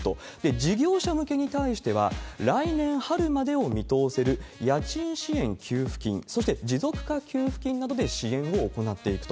事業者向けに対しては、来年春までを見通せる家賃支援給付金、そして持続化給付金などで支援を行っていくと。